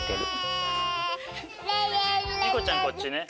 美瑚ちゃんこっちね！